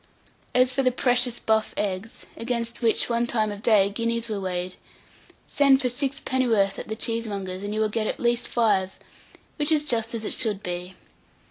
As for the precious buff eggs, against which, one time of day, guineas were weighed, send for sixpenn'orth at the cheesemonger's, and you will get at least five; which is just as it should be.